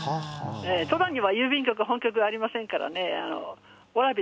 戸田には郵便局、本局ありませんからね。